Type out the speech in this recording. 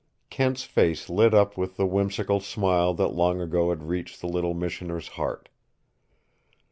Kent's face lit up with the whimsical smile that long ago had reached the little missioner's heart.